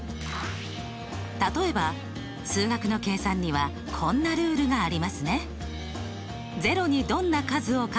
例えば数学の計算にはこんなルールがありますね。